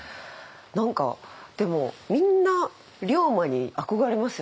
何かでもみんな龍馬に憧れますよね。